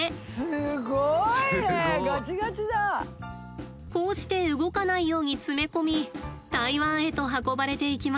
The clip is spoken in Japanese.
すごい！こうして動かないように詰め込み台湾へと運ばれていきます。